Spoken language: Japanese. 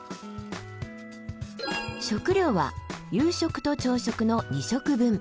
食料は夕食と朝食の２食分。